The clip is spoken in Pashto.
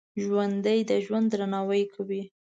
ژوندي د ژوند درناوی کوي